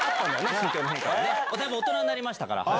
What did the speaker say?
だいぶ大人になりましたから。